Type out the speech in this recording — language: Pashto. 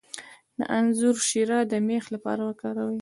د انځر شیره د میخ لپاره وکاروئ